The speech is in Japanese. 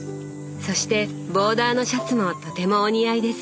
そしてボーダーのシャツもとてもお似合いです。